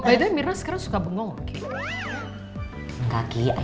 btw mirna sekarang suka bengong kiki